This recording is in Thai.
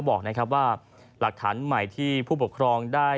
บอกว่าหลักฐานใหม่ที่ผู้กครองได้ให้